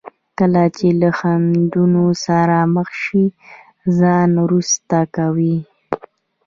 کله چې له خنډونو سره مخ شي ځان نه وروسته کوي.